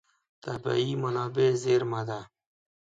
طبیعي منابع زېرمه ده.